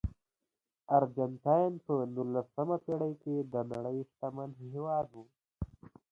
ارجنټاین په نولسمه پېړۍ کې د نړۍ شتمن هېواد و.